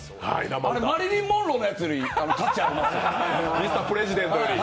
あれ、マリリン・モンローのやつより価値があるミスター・プレジデントより。